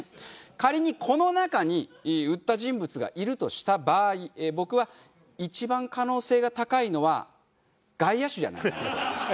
仮にこの中に売った人物がいるとした場合僕は一番可能性が高いのは外野手じゃないかと。